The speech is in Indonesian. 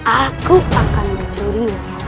aku akan mencurinya